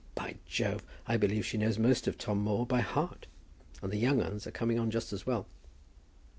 By Jove, I believe she knows most of Tom Moore by heart. And the young uns are coming on just as well."